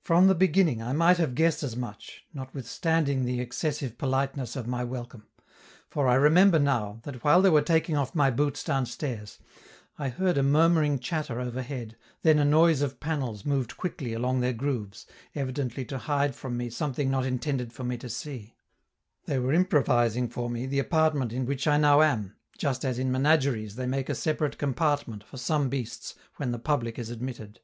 From the beginning I might have guessed as much, notwithstanding the excessive politeness of my welcome; for I remember now, that while they were taking off my boots downstairs, I heard a murmuring chatter overhead, then a noise of panels moved quickly along their grooves, evidently to hide from me something not intended for me to see; they were improvising for me the apartment in which I now am just as in menageries they make a separate compartment for some beasts when the public is admitted.